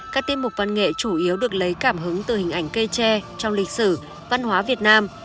các tiết mục văn nghệ chủ yếu được lấy cảm hứng từ hình ảnh cây tre trong lịch sử văn hóa việt nam